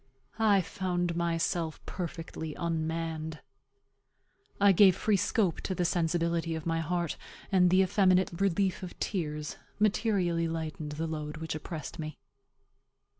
I found myself perfectly unmanned. I gave free scope to the sensibility of my heart; and the effeminate relief of tears materially lightened the load which oppressed me.